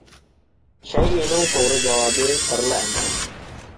شەيئىنىڭ توغرا جاۋابى بىرلا ئەمەس.